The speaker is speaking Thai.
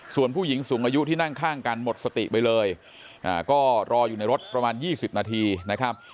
ส่วนผู้หญิงสูงอายุที่นั่งข้างกันหมดสติไปเลยก็รออยู่ในรถประมาณ๒๐นาทีนะครับ